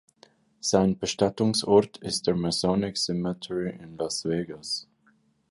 Sein Bestattungsort ist der Masonic Cemetery in Las Vegas.